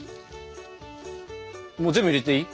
もう全部入れていい？